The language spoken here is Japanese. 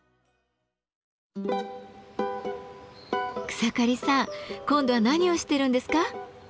草刈さん今度は何をしてるんですか？